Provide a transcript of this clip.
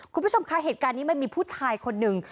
คุณผู้ชมคะเหตุการณ์นี้มันมีผู้ชายคนหนึ่ง